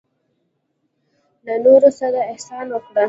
له نورو سره احسان وکړه.